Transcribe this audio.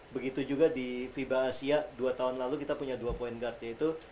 begitu juga di fiba asia dua tahun lalu kita punya dua point guard yaitu